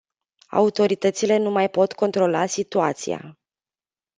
Autoritățile nu mai pot controla situația.